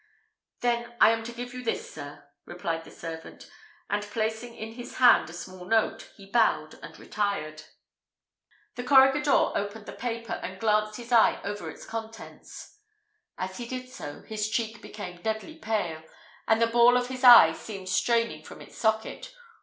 "Then I am to give you this, sir," replied the servant, and, placing in his hand a small note, he bowed and retired. The corregidor opened the paper, and glanced his eye over its contents. As he did so, his cheek became deadly pale, and the ball of his eye seemed straining from its socket.